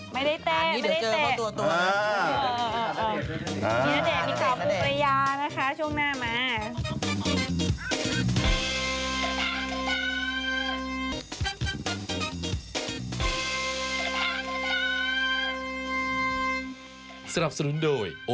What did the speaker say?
ไม่ได้เตะไม่ได้เตะ